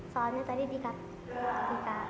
soalnya tadi dikasih tahu